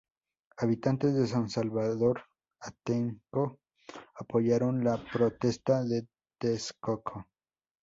Habitantes de San Salvador Atenco apoyaron la protesta de Texcoco.